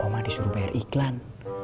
oma disuruh bayar iklan